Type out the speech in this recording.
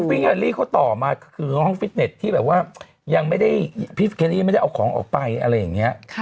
แฮลลี่เขาต่อมาคือห้องฟิตเน็ตที่แบบว่ายังไม่ได้พี่เคลลี่ไม่ได้เอาของออกไปอะไรอย่างนี้